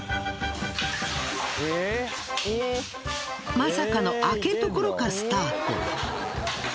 まさかの開けるところからスタート。